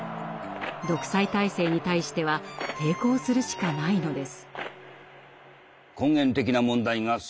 独裁体制に対しては抵抗するしかないのです。